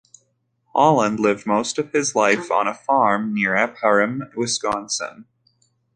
Holand lived most of his life on a farm near Ephraim, Wisconsin.